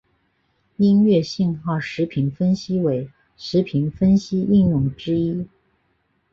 音乐信号时频分析为时频分析应用之一。